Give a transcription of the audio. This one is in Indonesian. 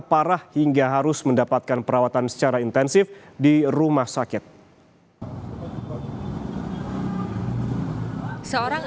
parah hingga harus mendapatkan perawatan secara intensif di rumah sakit seorang